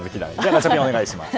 ガチャピン、お願いします。